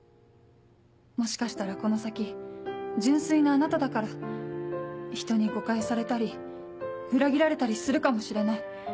もしかしたらこの先純粋なあなただからひとに誤解されたり裏切られたりするかもしれない。